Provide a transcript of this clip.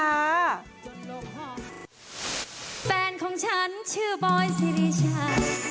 นั่งตบยุ่งรุ่งเช้าจนเนี้ยฮะ